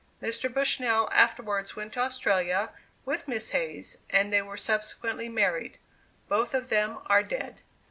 Mr. Bushnell afterwards went to Australia with Miss Hayes and they were subsequently married. Both of them are dead.